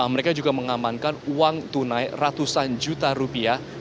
mereka juga mengamankan uang tunai ratusan juta rupiah